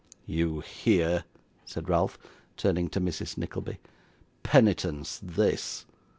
'You hear?' said Ralph, turning to Mrs. Nickleby. 'Penitence, this!